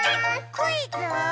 クイズ？